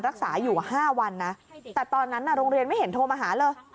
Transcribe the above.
รักษาอยู่๕วันนะแต่ตอนนั้นโรงเรียนไม่เห็นโทรมาหาเลย